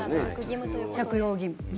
着用義務。